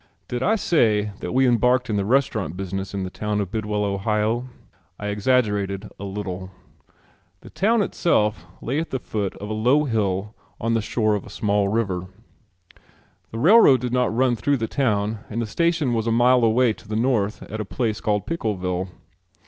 Did I say that we embarked in the restaurant business in the town of Bidwell, Ohio? I exaggerated a little. The town itself lay at the foot of a low hill and on the shore of a small river. The railroad did not run through the town and the station was a mile away to the north at a place called Pickleville.